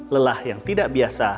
lelah yang tidak biasa